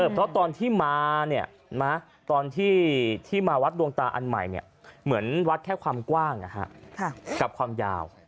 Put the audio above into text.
เพราะตอนที่มาตอนที่มาวัดดวงตาอันใหม่เหมือนวัดแค่ความกว้างกับความยาว